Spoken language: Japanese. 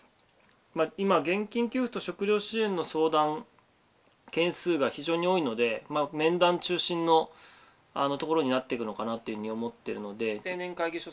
今現金給付と食糧支援の相談件数が非常に多いので面談中心のところになっていくのかなというふうに思ってるので。